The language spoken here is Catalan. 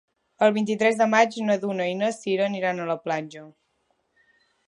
El vint-i-tres de maig na Duna i na Sira aniran a la platja.